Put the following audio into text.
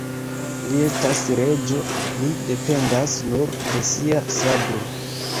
Li estas reĝo, li dependas nur de sia sabro.